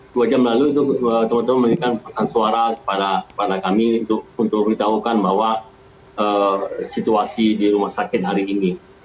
dua jam lalu itu teman teman memberikan pesan suara kepada kami untuk memberitahukan bahwa situasi di rumah sakit hari ini